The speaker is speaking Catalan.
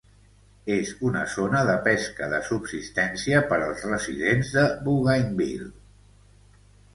És una zona de pesca de subsistència per als residents de Bougainville.